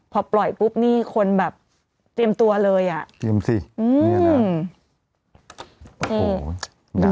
พอปล่อยปุ๊บนี่คนแบบเตรียมตัวเลยอ่ะเตรียมสิอืม